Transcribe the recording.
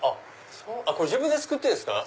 これ自分で作ってんですか？